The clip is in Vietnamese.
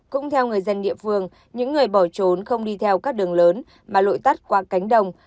cũng theo người dân địa phương những người bỏ trốn không đi theo các đường lớn mà lội tắt qua cánh đồng